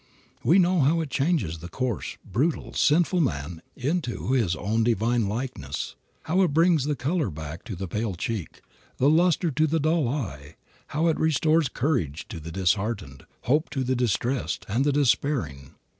We know how it changes the coarse, brutal, sinful man into its own divine likeness, how it brings the color back to the pale cheek, the luster to the dull eye, how it restores courage to the disheartened, hope to the distressed and the despairing.